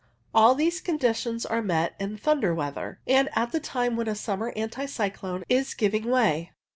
All these conditions are met in thunder weather, and at the time when a sum'mer anticyclone is giving way.